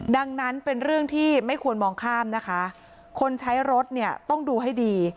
ดังนั้นเป็นเรื่องที่ไม่ควรมองข้ามนะคะคนใช้รถเนี่ยต้องดูให้ดี